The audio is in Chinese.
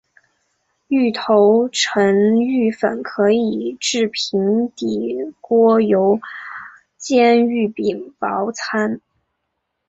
芋头成芋粉可以制平底锅油煎芋饼薄餐。